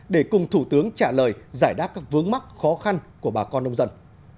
để cùng thủ tướng trả lời giải đáp các vướng mắc khó khăn của bà con nông dân